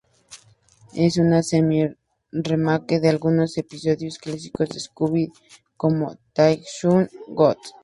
Es una semi-remake de algunos episodios clásicos de Scooby, como "That's Snow Ghost!